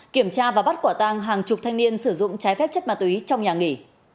kiểm tra và bắt quả tang hàng chục thanh niên sử dụng trái phép chất ma túy trong nhà nghỉ